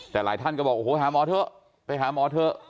แต่หลายท่านก็บอกโอ้โหหาหมอเถอะไปหาหมอเถอะ